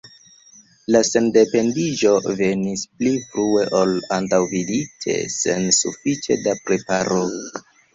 La sendependiĝo venis pli frue ol antaŭvidite, sen sufiĉe da preparo.